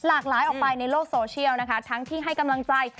หลากหลายออกไปในโลกโซเชียลนะคะทั้งที่ให้กำลังใจ